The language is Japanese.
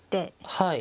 はい。